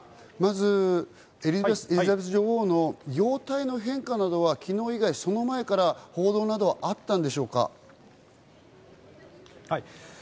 古谷さん、まずエリザベス女王の容体の変化などは昨日より、その前から報道などはあったんでしょうか？